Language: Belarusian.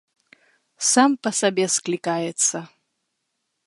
Сам па сабе склікаецца.